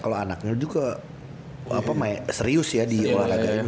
kalo anaknya juga serius ya di olahraganya